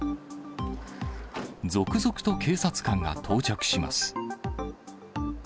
続々と警察官が到着します。